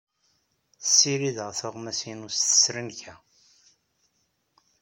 Ssirideɣ tuɣmas-inu s tesrenka.